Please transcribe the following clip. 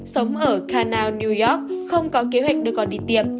sống ở khanau new york không có kế hoạch đưa con đi tiêm